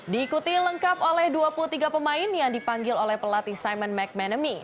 diikuti lengkap oleh dua puluh tiga pemain yang dipanggil oleh pelatih simon mcmanamy